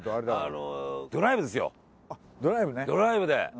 ドライブね。